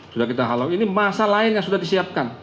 sudah kita halo ini masa lain yang sudah disiapkan